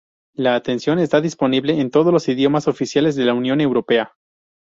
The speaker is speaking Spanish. La atención está disponible en todos los idiomas oficiales de la Unión Europea.